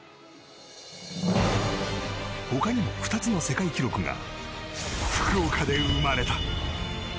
他にも２つの世界記録が福岡で生まれた。